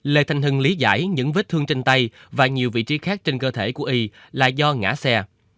lê thanh hưng lý giải những vết thương trên tay và nhiều vị trí khác trên cơ thể của y là do ngã xe